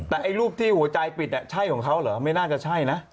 แต่ไอ้รูปที่หัวใจปิดใช่ของเขาเหรอไม่น่าจะใช่นะ